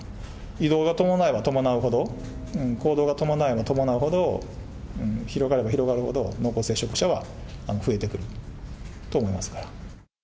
移動が伴えば伴うほど、行動が伴えば伴うほど、広がれば広がるほど、濃厚接触者は増えてくると思いますから。